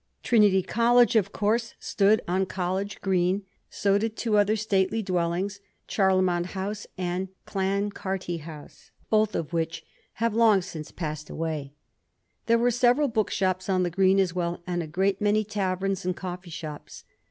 Trinity College of course stood on College Green ; Digiti zed by Google 1714 OLD DUBLIN. 107 SO did two other stately dwellings, Charlemont House and Clancarty House, both of which have long since passed away. There were several book shops on the Green as well, and a great many taverns and coffee shops.